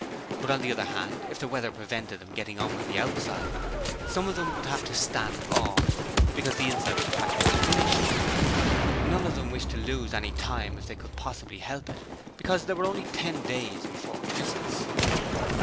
But on the other hand, if the weather prevented them getting on with the outside, some of them would have to 'stand off', because the inside was practically finished. None of them wished to lose any time if they could possibly help it, because there were only ten days more before Christmas.